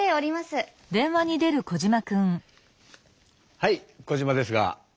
はいコジマですが。